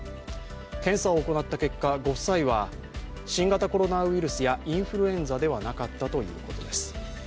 検査を行った結果、ご夫妻は新型コロナウイルスやインフルエンザではなかったということです。